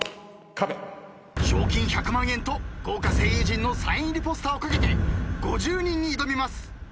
賞金１００万円と豪華声優陣のサイン入りポスターを懸けて５０人に挑みます。